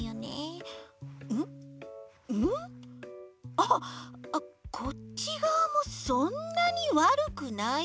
あっこっちがわもそんなにわるくないわね。